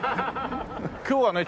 今日はね